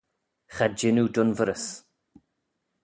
Cha jean oo dunverys.